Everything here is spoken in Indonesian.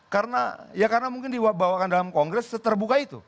karena ya karena mungkin dibawakan dalam kongres seterbuka itu